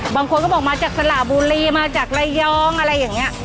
บางคนก็บอกมาจากสระบุรีมาจากระยองอะไรอย่างนี้